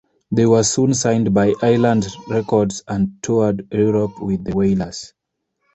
They were soon signed by Island Records and toured Europe with The Wailers.